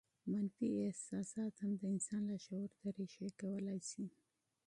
منفي احساسات هم د انسان لاشعور ته رېښې کولای شي